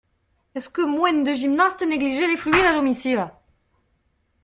Est-ce que moins de gymnastes négligeaient les fluides à domicile?